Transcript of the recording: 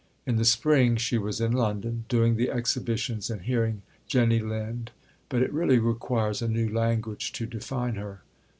In the spring she was in London "doing the exhibitions and hearing Jenny Lind; but it really requires a new language to define her."